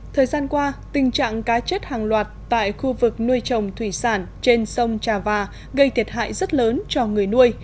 thời gian qua tình trạng cá chết hàng loạt tại khu vực nuôi trồng thủy sản trên sông trà và gây thiệt hại rất lớn cho người nuôi